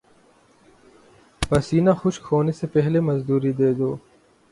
پسینہ خشک ہونے سے پہلے مزدوری دے دو